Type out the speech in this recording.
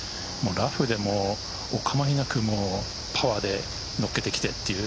ラフでもお構いなくパワーで乗っけてきている。